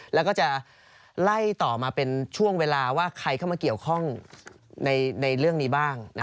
แล้วก็จะไล่ต่อมาเป็นช่วงเวลาว่าใครเข้ามาเกี่ยวข้องในเรื่องนี้บ้าง